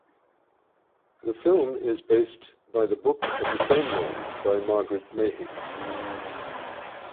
The film is based by the book of the same name by Margaret Mahy.